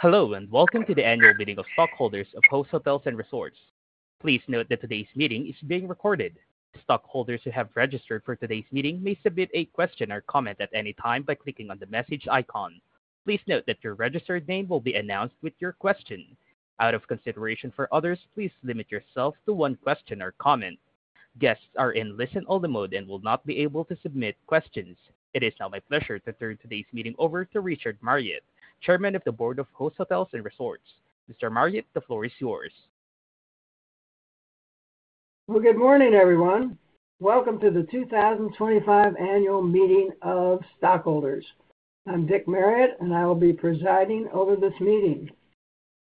Hello and welcome to the Annual Meeting of Stockholders of Host Hotels & Resorts. Please note that today's meeting is being recorded. Stockholders who have registered for today's meeting may submit a question or comment at any time by clicking on the message icon. Please note that your registered name will be announced with your question. Out of consideration for others, please limit yourself to one question or comment. Guests are in listen-only mode and will not be able to submit questions. It is now my pleasure to turn today's meeting over to Richard Marriott, Chairman of the Board of Host Hotels & Resorts. Mr. Marriott, the floor is yours. Good morning, everyone. Welcome to the 2025 Annual Meeting of stockholders. I'm Dick Marriott, and I will be presiding over this meeting.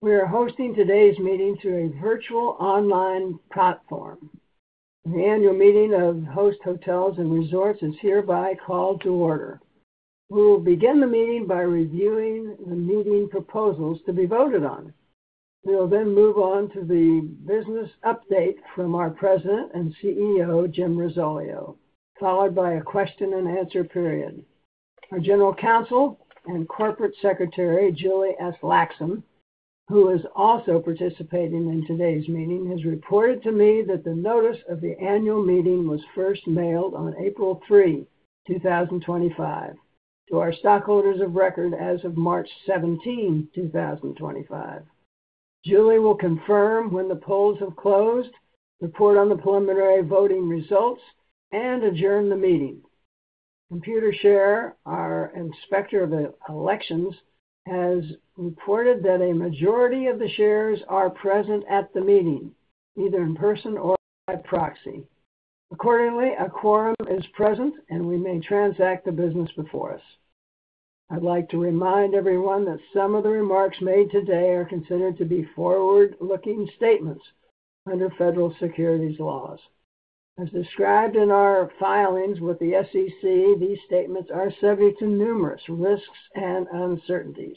We are hosting today's meeting through a virtual online platform. The annual meeting of Host Hotels & Resorts is hereby called to order. We will begin the meeting by reviewing the meeting proposals to be voted on. We will then move on to the business update from our President and CEO, Jim Risoleo, followed by a question and answer period. Our General Counsel and Corporate Secretary, Julie Aslaksen, who is also participating in today's meeting, has reported to me that the notice of the annual meeting was first mailed on April 3, 2025, to our stockholders of record as of March 17, 2025. Julie will confirm when the polls have closed, report on the preliminary voting results, and adjourn the meeting. Computershare, our Inspector of Elections, has reported that a majority of the shares are present at the meeting, either in person or by proxy. Accordingly, a quorum is present, and we may transact the business before us. I'd like to remind everyone that some of the remarks made today are considered to be forward-looking statements under federal securities laws. As described in our filings with the SEC, these statements are subject to numerous risks and uncertainties,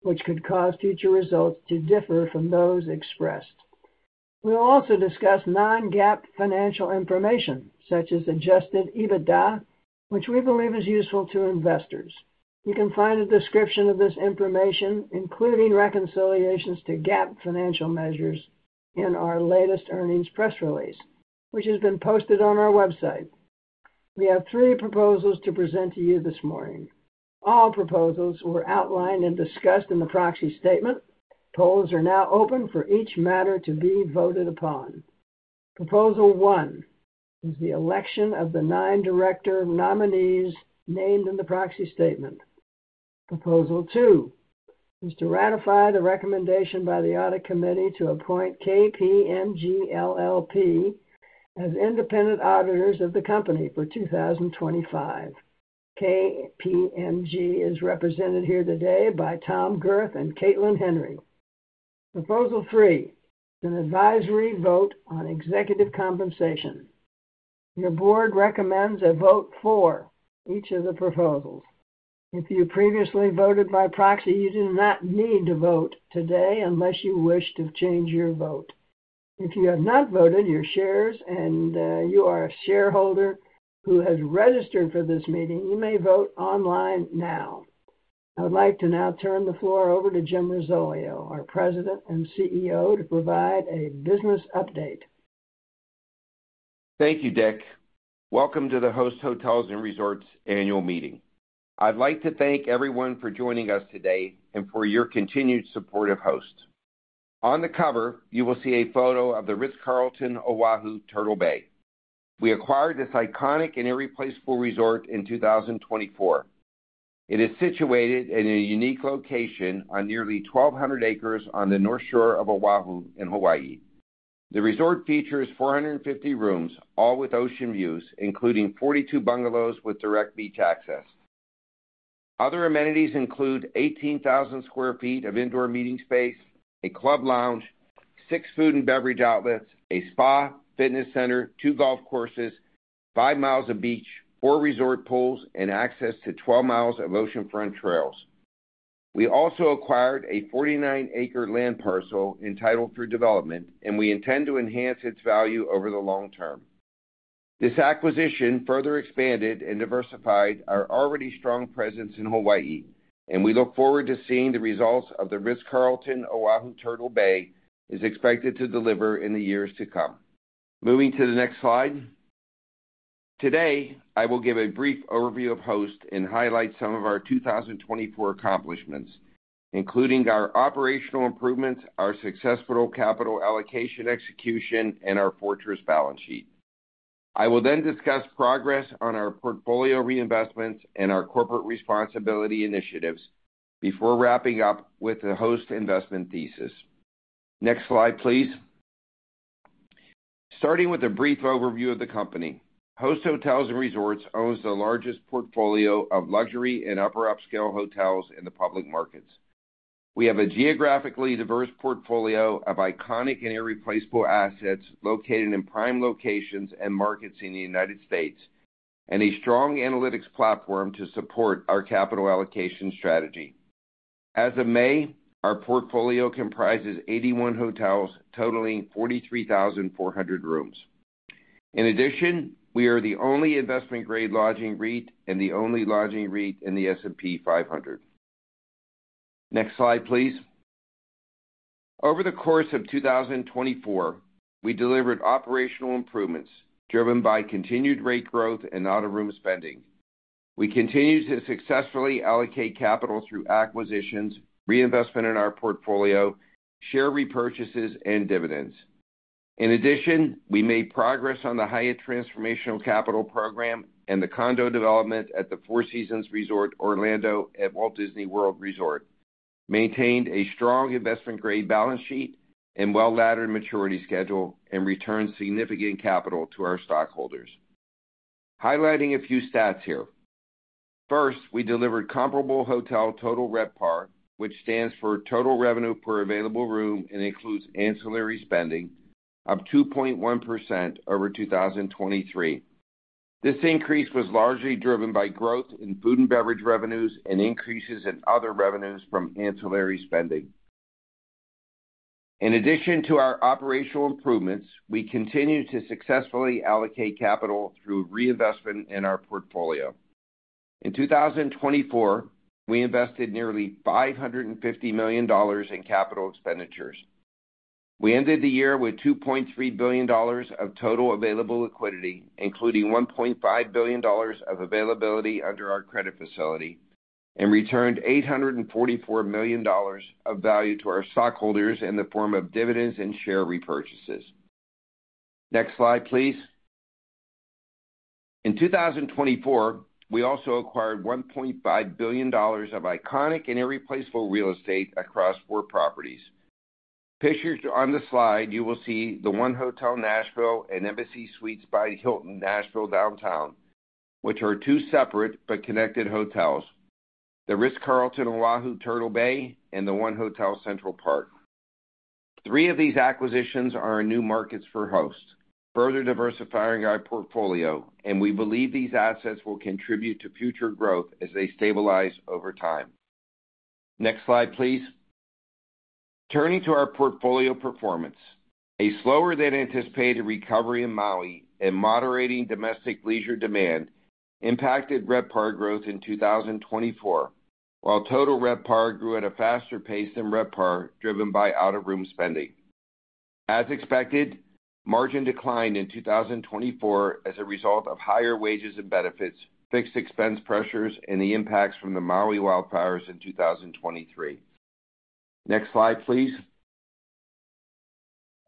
which could cause future results to differ from those expressed. We will also discuss non-GAAP financial information, such as adjusted EBITDA, which we believe is useful to investors. You can find a description of this information, including reconciliations to GAAP financial measures, in our latest earnings press release, which has been posted on our website. We have three proposals to present to you this morning. All proposals were outlined and discussed in the proxy statement. Polls are now open for each matter to be voted upon. Proposal one is the election of the nine director nominees named in the proxy statement. Proposal two is to ratify the recommendation by the audit committee to appoint KPMG LLP as independent auditors of the company for 2025. KPMG is represented here today by Tom Gerth and Caitlin Henry. Proposal three is an advisory vote on executive compensation. Your board recommends a vote for each of the proposals. If you previously voted by proxy, you do not need to vote today unless you wish to change your vote. If you have not voted, your shares and you are a shareholder who has registered for this meeting, you may vote online now. I would like to now turn the floor over to Jim Risoleo, our President and CEO, to provide a business update. Thank you, Dick. Welcome to the Host Hotels & Resorts annual meeting. I'd like to thank everyone for joining us today and for your continued support of Host. On the cover, you will see a photo of the Ritz-Carlton O'ahu Turtle Bay. We acquired this iconic and irreplaceable resort in 2024. It is situated in a unique location on nearly 1,200 acres on the north shore of O'ahu in Hawaii. The resort features 450 rooms, all with ocean views, including 42 bungalows with direct beach access. Other amenities include 18,000 sq ft of indoor meeting space, a club lounge, six food and beverage outlets, a spa, fitness center, two golf courses, five miles of beach, four resort pools, and access to 12 miles of oceanfront trails. We also acquired a 49-acre land parcel entitled through development, and we intend to enhance its value over the long term. This acquisition further expanded and diversified our already strong presence in Hawaii, and we look forward to seeing the results the Ritz-Carlton O'ahu Turtle Bay is expected to deliver in the years to come. Moving to the next slide. Today, I will give a brief overview of Host and highlight some of our 2024 accomplishments, including our operational improvements, our successful capital allocation execution, and our fortress balance sheet. I will then discuss progress on our portfolio reinvestments and our corporate responsibility initiatives before wrapping up with the Host investment thesis. Next slide, please. Starting with a brief overview of the company, Host Hotels & Resorts owns the largest portfolio of luxury and upper-upscale hotels in the public markets. We have a geographically diverse portfolio of iconic and irreplaceable assets located in prime locations and markets in the United States, and a strong analytics platform to support our capital allocation strategy. As of May, our portfolio comprises 81 hotels totaling 43,400 rooms. In addition, we are the only investment-grade lodging REIT and the only lodging REIT in the S&P 500. Next slide, please. Over the course of 2024, we delivered operational improvements driven by continued rate growth and out-of-room spending. We continue to successfully allocate capital through acquisitions, reinvestment in our portfolio, share repurchases, and dividends. In addition, we made progress on the Hyatt Transformational Capital Program and the condo development at the Four Seasons Resort Orlando at Walt Disney World Resort, maintained a strong investment-grade balance sheet and well-laddered maturity schedule, and returned significant capital to our stockholders. Highlighting a few stats here. First, we delivered comparable hotel total RevPAR, which stands for total revenue per available room and includes ancillary spending, up 2.1% over 2023. This increase was largely driven by growth in food and beverage revenues and increases in other revenues from ancillary spending. In addition to our operational improvements, we continue to successfully allocate capital through reinvestment in our portfolio. In 2024, we invested nearly $550 million in capital expenditures. We ended the year with $2.3 billion of total available liquidity, including $1.5 billion of availability under our credit facility, and returned $844 million of value to our stockholders in the form of dividends and share repurchases. Next slide, please. In 2024, we also acquired $1.5 billion of iconic and irreplaceable real estate across four properties. Pictured on the slide, you will see the One Hotel Nashville and Embassy Suites by Hilton Nashville Downtown, which are two separate but connected hotels, the Ritz-Carlton O'ahu Turtle Bay, and the One Hotel Central Park. Three of these acquisitions are new markets for Host, further diversifying our portfolio, and we believe these assets will contribute to future growth as they stabilize over time. Next slide, please. Turning to our portfolio performance, a slower than anticipated recovery in Maui and moderating domestic leisure demand impacted RevPAR growth in 2024, while total RevPAR grew at a faster pace than RevPAR driven by out-of-room spending. As expected, margin declined in 2024 as a result of higher wages and benefits, fixed expense pressures, and the impacts from the Maui wildfires in 2023. Next slide, please.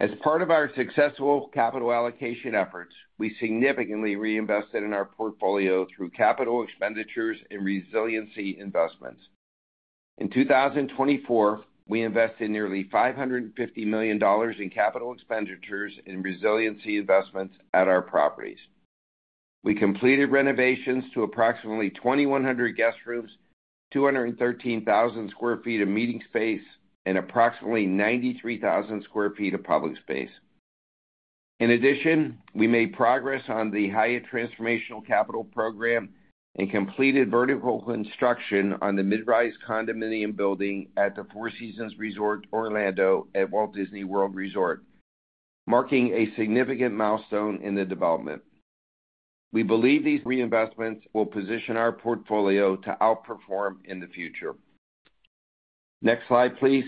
As part of our successful capital allocation efforts, we significantly reinvested in our portfolio through capital expenditures and resiliency investments. In 2024, we invested nearly $550 million in capital expenditures and resiliency investments at our properties. We completed renovations to approximately 2,100 guest rooms, 213,000 sq ft of meeting space, and approximately 93,000 sq ft of public space. In addition, we made progress on the Hyatt Transformational Capital Program and completed vertical construction on the mid-rise condominium building at the Four Seasons Resort Orlando at Walt Disney World Resort, marking a significant milestone in the development. We believe these reinvestments will position our portfolio to outperform in the future. Next slide, please.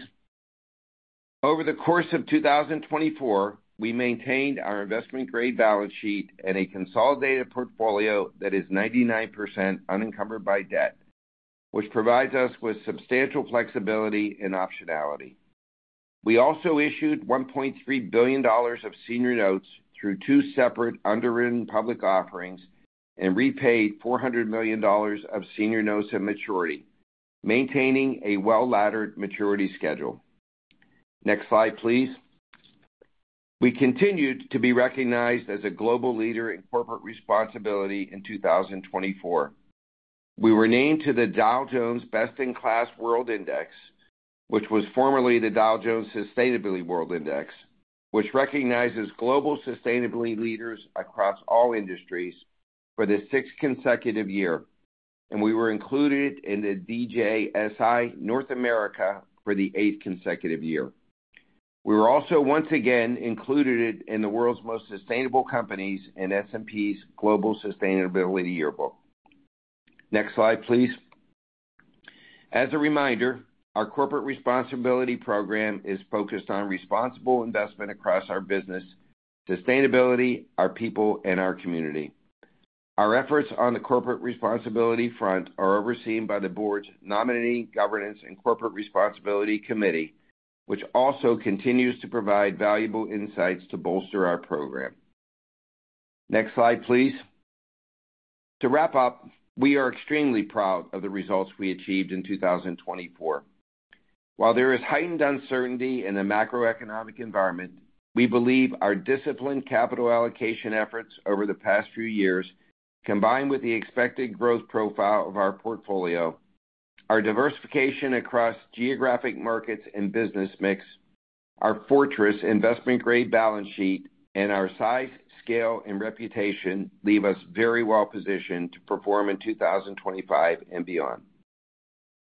Over the course of 2024, we maintained our investment-grade balance sheet and a consolidated portfolio that is 99% unencumbered by debt, which provides us with substantial flexibility and optionality. We also issued $1.3 billion of senior notes through two separate underwritten public offerings and repaid $400 million of senior notes at maturity, maintaining a well-laddered maturity schedule. Next slide, please. We continued to be recognized as a global leader in corporate responsibility in 2024. We were named to the Dow Jones Best in Class World Index, which was formerly the Dow Jones Sustainability World Index, which recognizes global sustainability leaders across all industries for the sixth consecutive year, and we were included in the DJSI North America for the eighth consecutive year. We were also once again included in the world's most sustainable companies in S&P's Global Sustainability Yearbook. Next slide, please. As a reminder, our corporate responsibility program is focused on responsible investment across our business, sustainability, our people, and our community. Our efforts on the corporate responsibility front are overseen by the board's Nominating Governance and Corporate Responsibility Committee, which also continues to provide valuable insights to bolster our program. Next slide, please. To wrap up, we are extremely proud of the results we achieved in 2024. While there is heightened uncertainty in the macroeconomic environment, we believe our disciplined capital allocation efforts over the past few years, combined with the expected growth profile of our portfolio, our diversification across geographic markets and business mix, our fortress investment-grade balance sheet, and our size, scale, and reputation leave us very well positioned to perform in 2025 and beyond.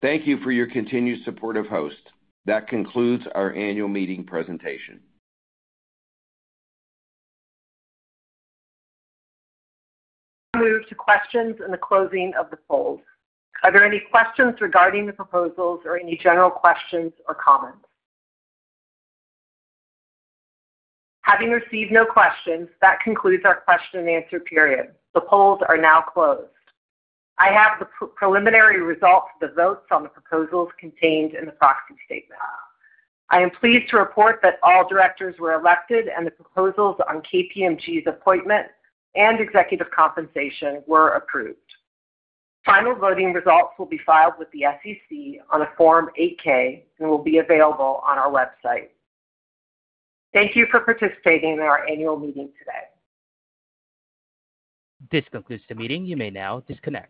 Thank you for your continued support of Host. That concludes our annual meeting presentation. Move to questions in the closing of the fold. Are there any questions regarding the proposals or any general questions or comments? Having received no questions, that concludes our question and answer period. The polls are now closed. I have the preliminary results of the votes on the proposals contained in the proxy statement. I am pleased to report that all directors were elected and the proposals on KPMG's appointment and executive compensation were approved. Final voting results will be filed with the SEC on a Form 8-K and will be available on our website. Thank you for participating in our annual meeting today. This concludes the meeting. You may now disconnect.